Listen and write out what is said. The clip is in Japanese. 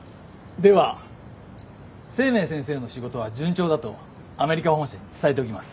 では清明先生の仕事は順調だとアメリカ本社に伝えておきます。